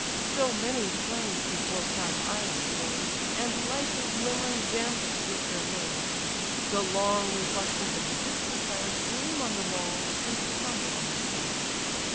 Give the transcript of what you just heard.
So many flames before proud Ilion blaze, And lighten glimmering Xanthus with their rays. The long reflections of the distant fires Gleam on the walls, and tremble on the spires.